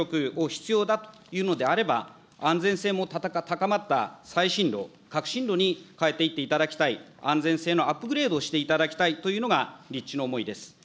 その点、大消費地、国が原子力を必要だというのであれば、安全性も高まった最新炉、革新炉に変えていっていただきたい、安全性のアップグレードをしていただきたいというのが、立地の思いです。